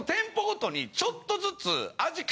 ちょっとずつ。